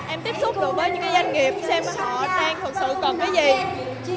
em tiếp xúc được với những doanh nghiệp xem họ đang thực sự cần cái gì